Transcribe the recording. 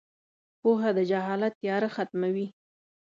• پوهه د جهالت تیاره ختموي.